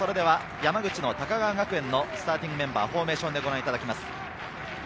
山口の高川学園のスターティングメンバー、フォーメーションでご覧いただきます。